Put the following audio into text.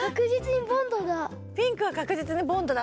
ピンクはかくじつにボンドだ。